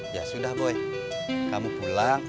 ya sudah boy kamu pulang